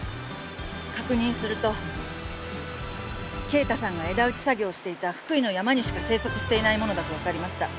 確認すると敬太さんが枝打ち作業をしていた福井の山にしか生息していないものだとわかりました。